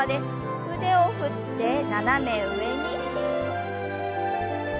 腕を振って斜め上に。